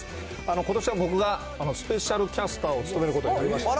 ことしは、僕がスペシャルキャスターを務めることになりました。